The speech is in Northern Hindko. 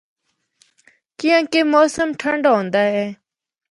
کیّانکہ موسم ٹھنڈا ہوندا اے۔